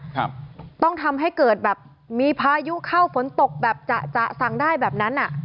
ครับต้องทำให้เกิดแบบมีพายุเข้าฝนตกแบบจะจะสั่งได้แบบนั้นอ่ะ